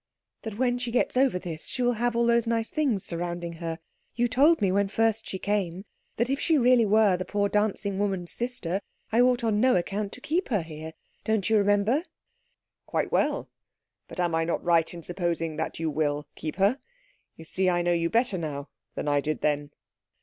"That when she gets over this she will have all those nice things surrounding her. You told me when first she came, that if she really were the poor dancing woman's sister I ought on no account to keep her here. Don't you remember?" "Quite well. But am I not right in supposing that you will keep her? You see, I know you better now than I did then."